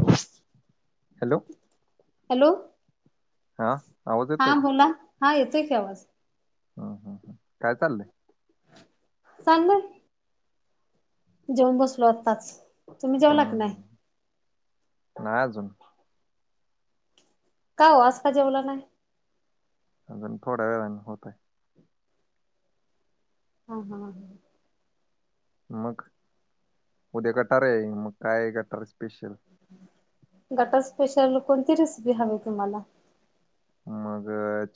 Hello! Hello! Hello हा आवाज येतोय हा का? बोला हा येतोय की आवाज हा हा हा काय चाललंय? चालय जेऊन बसलोय आताच तुम्ही जेवला का नाही. ना अजुून का हो आज का जेवला नाही अजून थोड्या वेळाने होतंय ह ह ह मग उद्या गटारी आहे मग काय कटार स्पेशल? गटारी स्पेशल कोणती रेसिपी हवी तुम्हाला? मग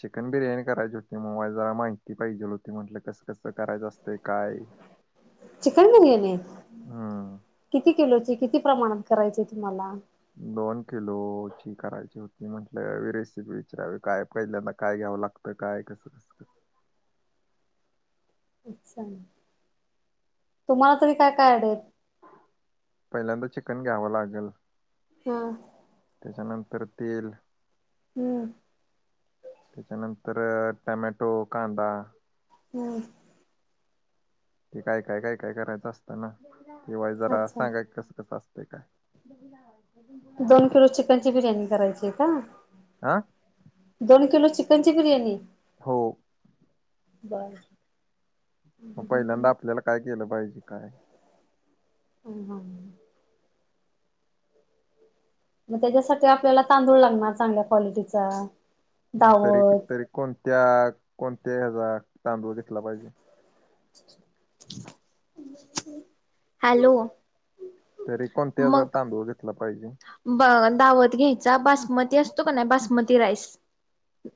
चिकन बिर्याणी करायची होती मग मला जरा माहिती पाहिजे होती म्हटलं कसं कसं करायचं असतं? ते काय? चिकन बिर्याणी हम्म. किती किलोची किती प्रमाणात करायची तुम्हाला? दोन किलो ची करायची होती म्हटलं रेसिपी विचारावी काय पहिल्यांदा काय घ्यावं लागतं. तर काय कसं कसं? अच्छा! तुम्हाला तरी काय काय अडल पहिल्यांदा चिकन घ्यावं लागेल. हा त्याच्यानंतर तेल हम्म त्याच्यानंतर टोमॅटो, कांदा हम् ते काय काय काय काय करायचं असतं ना वाइस जरा अच्छा सांगा की [unintelligible] कसं कसं असत काय ते? दही, ला लिंबू दोन किलो चिकन ची बिर्याणी करायची का? आ.. दोन किलो चिकन ची बिर्याणी. हो बरं.. मग पहिल्यांदा आपल्याला काय केलं पाहिजे काय? हमं हमं मग त्याच्यासाठी आपल्याला तांदूळ लागणार चांगल्या क्वालिटीचा. तरी दावत तरी कोणत्या कोणत्या हेचा तांदूळ घेतला पाहिजे. [inaudible] [unintelligible] हॅलो! तरी कोणत्या हयाचा मग तांदूळ घेतला पाहिजे? ब दावत घ्यायचा बासमती असतो का नाही बासमती राईस.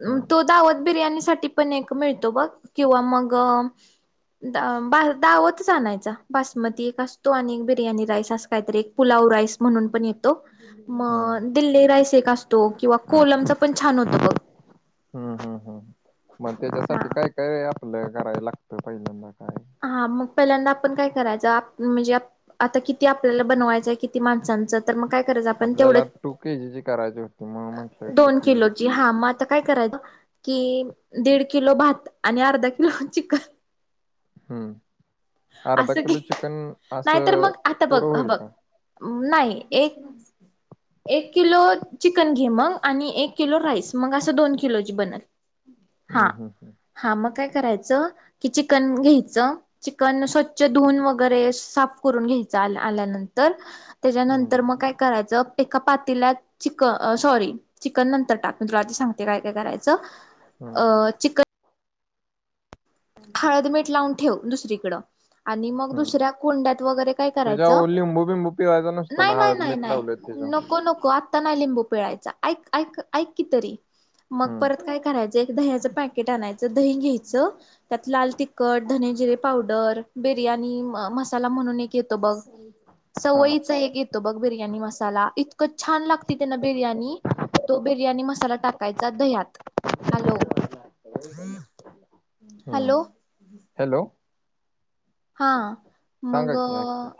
हम्म तो दावत बिर्याणी साठी पण एक मिळतो बघ किंवा मग दा बा दावतच आणायचा बासमती एक असतो आणि बिर्याणी राईस अस काहीतरी एक, पुलाव राईस म्हणून पण एक हम्म मग दिल्ली रायस एक असतो किंवा कोलमचा पण छान होतो बघ हम् हम्म हम् मग हा त्याच्यासाठी काय काय आपलं कराय लागतं पहिल्यांदा काय? हा मग पहिल्यांदा आपण काय करायचं म्हणजे? आता किती आपल्याला बनवायचंय किती माणसांचं? तर मग काय करायचं आपण तेवढ आपल्याला टू के जीची करायची होती म्हणून म्हंटलं दोन किती किलोची तर हा मग आता काय करायचं की दीड किलो भात आणि अर्धा किलो चिकन हम्म अर्धा असं घे किलो चिकन नाहीतर असं मग आता बघ पुरं होईल बघ का? नाही एक एक किलो चिकन घे मग आणि एक किलो राईस मग असं दोन किलोची बनंल. हम् हम हमं हा मग काय करायचं कि चिकन घ्यायचं चिकन स्वच्छ धुऊन वगैरे साफ करून घ्यायचं आल्यानंतर हम्म त्याच्यानंतर बर मग काय करायचं एका पातेल्यात चिकन सॉरी चिकन नंतर टाक मी तुला ते सांगते काय काय करायचं हम्म अं-चिकन हळदमीठ लावून ठेव दुसरीकडं आणि मग हम्म दुसऱ्या कोंड्यात वगैरे काय करायचं त्याच्यावर लिंबू बिंबू पिवायचा नसतो ना नाही नाही हळद नाही मीठ लावलेत नाही त्याच्यावर नको नको आत्ता नाही लिंबू पिळायचा ऐक ऐक ऐक तरी मग हम्म परत काय करायचं एक दह्याचं पॅकेट आणायचं दही घ्यायचं त्यात लाल तिखट धने जिरे पावडर बिर्याणी मसाला म्हणून एक येतो बघ [inaudible] सवयीचा एक येतो बघ बिर्याणी मसाला इतकं छान लागते त्यांनं बिर्याणी तो बिर्याणी मसाला टाकायचा दह्यात हॅलो हम्म हॅलो हॅलो हा सांगा मग की ऐकतो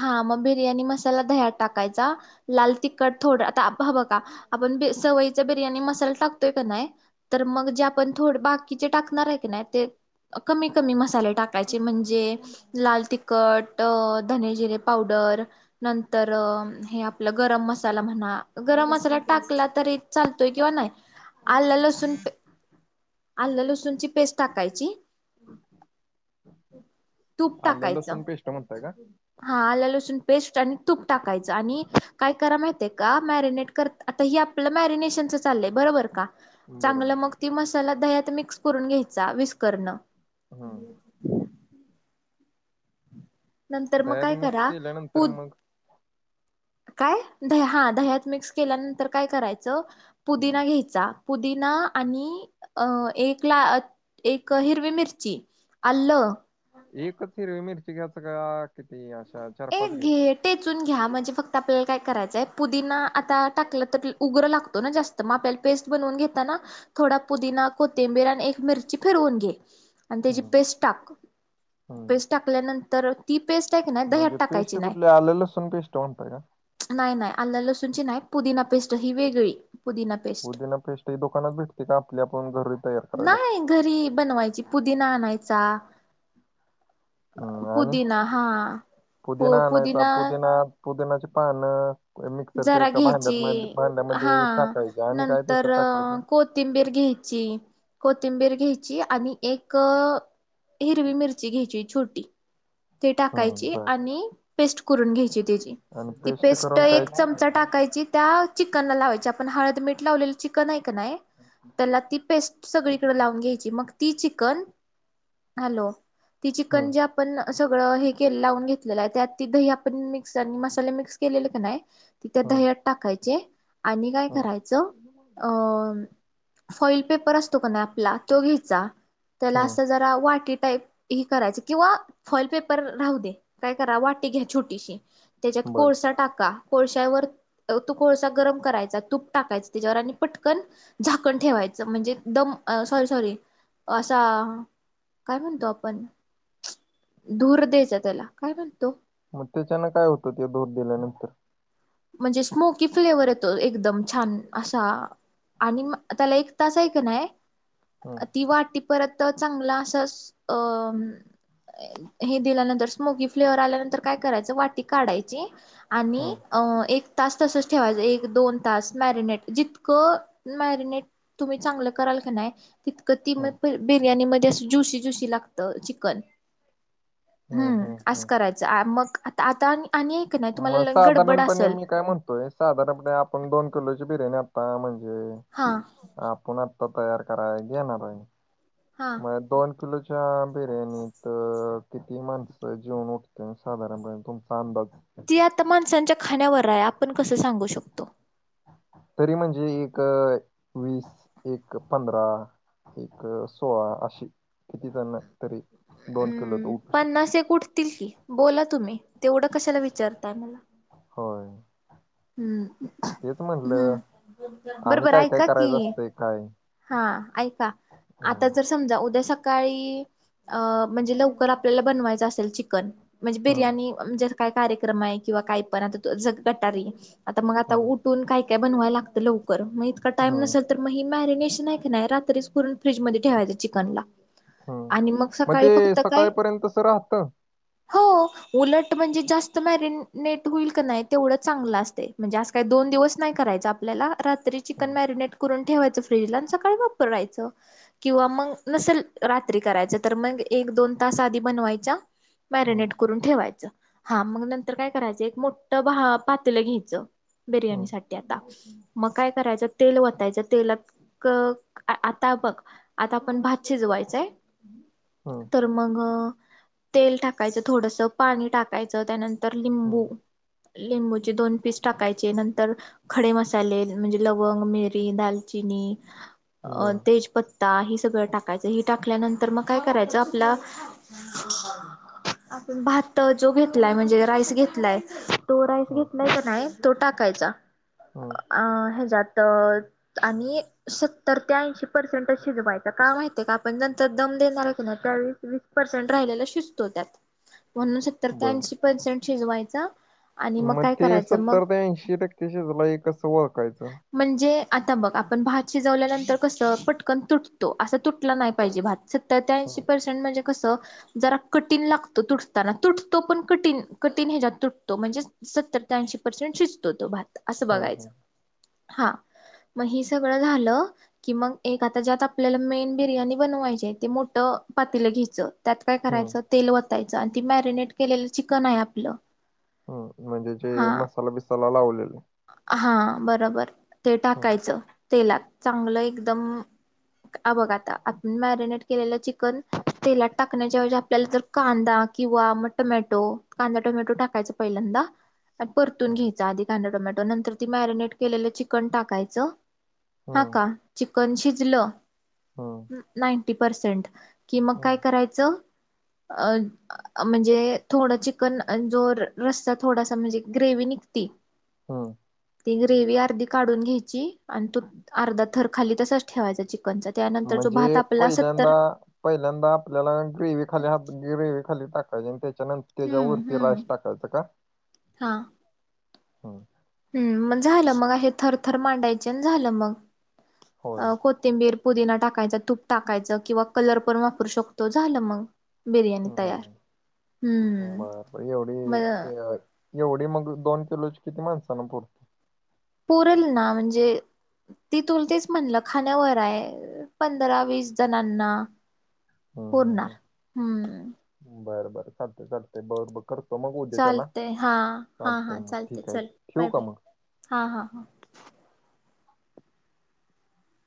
हा म बिर्याणी मसाला दह्यात टाकायचा लाल तिखट थोडं आता ह बं का आपण सवयीचा बिर्याणी मसाला टाकतोय कनाही तर मग जे आपण थोड बाकीचे टाकणार आहे की नाही ते कमी कमी मसाले टाकायचे म्हणजे लाल तिखट धने जिरे पावडर नंतर हे आपलं गरम मसाला म्हणा गरम मसाला टाकला तरी चालतोय किंवा नाही आलं लसूण आलं लसूणची पेस्ट टाकायची [inaudible] तूप आलं टाकायचं लसूण पेस्ट म्हणताय का हा आलं लसूण पेस्ट आणि तूप टाकायचं आणि काय करा माहतीय का मॅरिनेट कर आता हे आपलं मॅरिनेशनचं चाललंय बरोबर का बरं चांगलं बरं बरं मग ती मसाला दह्यात मिक्स करून घ्यायचा मिस्करणं हा नंतर मग दह्यात काय मिक्स करा केल्यानंतर पू मग काय द हा दह्यात मिक्स केल्यानंतर काय करायचं हम्म. पुदिना घ्याय चा पुदीना आणि अ एक ला एक हिरवी मिरची आलं एकचं हिरवी मिरची घ्यायचं का किती अशा चार पाच एक घ्यायच्या घे टेचून घ्या म्हणजे फक्त आपल्याला काय करायचंय पुदीना आता टाकलं तर उग्र लागतो ना जास्त मग आपल्याला पेस्ट बनवून घेताना थोडा पुदीना कोथिंबीर आणि एक मिरची फिरवून घे. आणि त्याची हम्म पेस्ट टाक हम्म. पेस्ट टाकल्यानंतर ती पेस्ट आहे का नाही म्हणजे दह्यात टाकायची पेस्ट कुठली नाही आलं लसुण पेस्ट म्हणताय का नाही नाही आलं लसूणची नाही पुदिना पेस्ट ही वेगळी पुदिना पेस्ट पुदिना पेस्ट ही दुकानात भेटते का आपल्या आपण घरी तयार करावी लागते? नाही घरी बनवायची पुदिना आणायचा. हम्म, आणि पुदीना हा पुदिना आणायचा पुदिना पुदिनाची पानं मिक्सरच्या जरा एका भांड्या घ्यायची हा भांड्यामध्ये टाकायचं आणि काय त्याच्यात नंतर टाकायचं कोथिंबीर घ्यायची कोथिंबीर घ्यायची आणि एक हिरवी मिरची घ्यायची छोटी ते हम्म टाकायची बर आणि पेस्ट करून घ्यायची त्याची आणि ती पेस्ट करून काय एक चमचा टाकायची त्या चिकन ला लावायची आपण हळद मिठ लावलेलं चिकन आहे कनाही त्याला ती पेस्ट सगळीकडे लावून घ्यायची. मग त ती चिकन की हॅलो ती हम्म चिकनची जी आपण. सगळं हे केल लावून घेतलेलं आहे त्यात ती दही पण मिक्स आणि मसाले मिक्स केलेले का नाही. त्या हम्म दह्यत टाकायचे आणि काय हम्म करायचं अं. फॉईल पेपर असतो का ना आपला तो घ्यायचा त्याला हम्म असं जरा वाटी टाईप. हे करायच किंवा फॉईल पेपर राहू दे काय करा वाटे घ्या छोटीशी. त्याच्यात बर कोळसा टाका कोळश्यावर. तू कोळसा गरम करायचा तूप टाकायचा त्याच्यावर आणि पटकन. झाकण ठेवायचं म्हणजे दम सॉरी सॉरी असा. काय म्हूनतो आपन. धूर द्यायचा त्याला काय म्हणतो. मग त्याच्यानं काय होतं या धोर दिल्यानंतर. म्हणजे स्मोकी फ्लेवर येतो एकदम छान असा. आणि म त्याला एक तास ऐक नाय हम्म ती वाटी. परत चांगलं असं अ. हे दिल्यानंतर स्मोकी फ्लेवर आल्यानंतर काय करायचं वाटी काढायची आणि. हम्म अ एक तास तसच ठेवायचं एक दोन तास मॅरिनेट जितकं मॅरिनेट. तुम्ही चांगलं कराल का नाही. तितकं ती म हम्म बिर्याणी मध्ये अस ज्युशी ज्युशी लागत चिकन. हम्म असं करायचं मग आता आता आणि एक नाही तुम्हाला गड पण नेह मी काय म्हणतोय साधारणपणे आपण दोन किलोची बिर्याणी आता म्हणजे. हा. आपण आत्ता तयार कराय घेणार हा मग दोन किलोची. च्या बिर्याणीत अ किती माणसं जीवन उठते साधारणपणे तुमचा अंदाज. ती आता माणसांच्या खाण्यावर आहे आपण कसं सांगू शकतो. तरी म्हणजे एक वीस एक पंधरा. एक सोळा अशी किती त्यांना तरी दोन किलो तर उठू शकतो. तीच की बोला तुम्ही तेवढं कशाला विचारतात. होय. तेच म्हटलं हम्म आणि बरोबर काय काय ऐका की करायचं असतंय काय. हा ऐका आता हम्म जर. समजा उद्या सकाळी अ म्हणजे लवकर आपल्याला बनवायचं असेल चिकन. म्हणजे हम्म बिर्याणी म्हण जे काय कार्यक्रम आहे किंवा काही पण आता गटारी आता मग आता. हम्म काय काय बनवाय लागत लवकर मग टाम हम्म नसेल तर मग ही मॅरीनेशन. नाही का नाही रात्रीच करून फ्रीज मध्ये ठेवायचं चिकनला. हम्म आणि मग सकाळी ते फक्त काय सकाळपर्यंत असं राहतं हो. उलट म्हणजे जास्त मॅरिनेट होईल का नाही तेवढं चांगलं असते म्हणजे आ काही दोन दिवस नाही करायच आप ल्याला रात्री चिकन हम्म मॅरिनेट करून ठेवायचं फ्रीजला आणि सकाळी वापरवायचं. किंवा मग नसेल रात्री करायचं तर मग एक दोन तास आधी बनवायच्या. हम्म मॅरिनेट करून ठेवायचं हा मग नंतर काय करायचं एक मोठं भा पातलं घ्यायचं. बिर्याणी हम्म साठी आता मग काय करायचं तेल वतायचं तेलात. क आता बघ आता आपण भात शिजवायचय हम्म तर. मग तेल टाकायचं थोडस पाणी टाकायचं त्यानंतर लिंबू. लिंबूचे दोन पीस टाकायचे नंतर. खडे मसाले म्हणजे लवंग मिरी दालचिनी हम्म बर तेजपता. ता हि सगळं टाकायचं ही टाकल्यानंतर मग काय करायचं आपला. आपण भात जो घेतलाय म्हणजे राईस घेतलाय. तो राईस हम्म घेतलाचा नाही तो टाकायचा. हम. अ हेजात आणि. सत्तर ते ऐंशी पर्सेंट शिजवायचं का माहितय का आपण जंतर दम देणार आहे का नावीस वीस पर्सेंट राहिला शिजतो त्यात म्हणून बर सतरऐंशी पर्सेंट शिजवायचा. आणि मग काय ते करायचं मग सत्तर ते ऐंशी टक्केशी झाला एक कसं ओळखायचं. म्हणजे आता मग आपण भात शिजवल्यानंतर कसं पटकन तुटतो असं तुटला नाही पाहिजे भात. सत्तरते ऐशी हं, पर्सेंट म्हणजे, कसं जरा कठीण लागतो तुटताना तुटतो पण कठी कठीण ह्याच्यात तुटतो म्हणजे सत्तर ते ऐंशी पर्सेंट शिजतो तो भात असं हं, बघायचं हं, हा. मग ह सगळं झालं. कि मग एक आता ज्यात आपल्याला मेन बिर्याणी बनवायची ते मोठ पातीलं घ्यायचं. त्यात काय करायचं हं, तेल वतायचं आणि ती मॅरिनेट केलेलं चिकन आहे आपलं. ह म्हणजे जे हा मसाला बसाला लावलेले. हा बरोबर ते हं, टाकायचं. तेलात चांगलं एकदम अ बघता आपण मॅरिनेट केलेल्या चि कन तेलात टाकण्याच्या व आपल्याला जर कांदा किंवा मग टोमॅटो कांदा टोमॅटो टाकायचा पहिल्यांदा परतून हं, घ्यायचा आधी कांदा टोमॅटो. नंतर ती मॅरिनेट केलेलं चिकन टाकायचं हा हं, का चिकन शिजलं. हम. नायटी पर्सेंट कि मग काय करायचं. अ म्हणजे थोडं चिकन जोर रस्ता थोडासा म्हणजे ग्रेवी निघती. ह ती ग्रेव अर्धी काढून घ्यायची आणि तो अर्धा थर खाली तसच ठेवायचा चिकनचा. त्यानंतर जो म्हणजे भात आपला पहिल्यांद सत्तर पहिल्यांदा आपल्याला ग्रेव खाली ग्रेव खाली टाकायचे आणि त्याच्यानंतर हम्म त्याच्यावरती हम्म. राईस टाकायचं का ह. ह् मग झालं मग असे थरथर मांडायचे झालं होय मगअ को तेबीर पोदीना टाकायचं तूप टाकायचं किंवा कलर पण वापरू शकतो झालं मग. बिर्याणी तयार हम हम्म बापरे एवढ मग ते एवढी मग दोन किलोची किती माणस ना पुरत. पुरल ना म्हणजे, ती तुल तेच म्हणलं खाण्यावर आहे पंधरा वीस जणांना. हम् हम् पुरणार. हम् हम्म बर बर चालते चालते बरो बर करत. त मग उद्या चला चालतय हा हा चालत आहे हा मग चालते ठीक आहे चल ठेव बाय का बाय मग. हा हा हा.